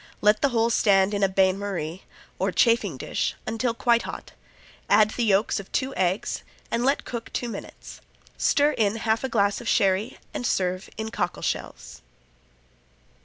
Let the whole stand in a bain marie, or chafing dish, until quite hot. Add the yolks of two eggs and let cook two minutes. Stir in half a glass of sherry and serve in cockle shells.